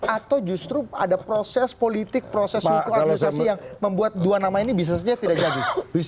atau justru ada proses politik proses hukuman yang membuat dua nama ini bisnisnya tidak jadi